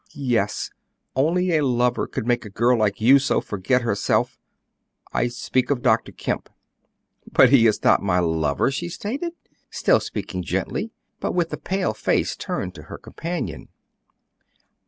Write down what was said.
"Yes; only a lover could make a girl like you so forget herself. I speak of Dr. Kemp." "But he is not my lover," she stated, still speaking gently, but with a pale face turned to her companion.